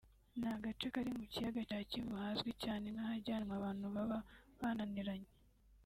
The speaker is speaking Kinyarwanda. ni agace kari mu kiyaga cya Kivu hazwi cyane nk’ahajyanwa abantu baba bananiranye